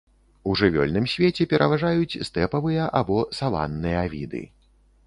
У жывёльным свеце пераважаюць стэпавыя або саванныя віды.